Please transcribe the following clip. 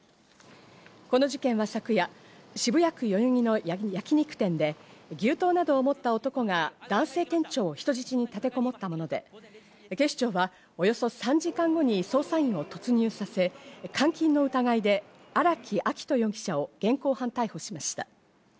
この事件は昨夜、渋谷区代々木の焼肉店で牛刀などを持った男が男性店長を人質に立てこもったもので、警視庁はおよそ３時間後に捜査員を突入させ、監禁の疑いで荒木秋冬容疑者を現行犯逮捕しました。